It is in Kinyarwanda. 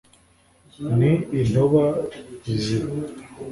ni intoba-biziba